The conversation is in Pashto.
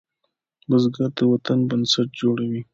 بزګر د وطن بنسټ جوړوي